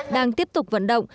đang tiếp tục vận động